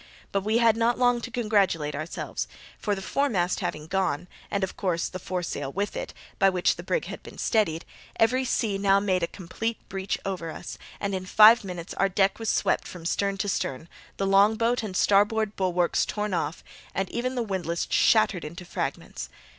But we had not long to congratulate ourselves; for the foremast having gone, and, of course, the foresail with it, by which the brig had been steadied, every sea now made a complete breach over us, and in five minutes our deck was swept from stem to stern, the longboat and starboard bulwarks torn off, and even the windlass shattered into fragments.